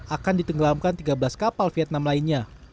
akan ditenggelamkan tiga belas kapal vietnam lainnya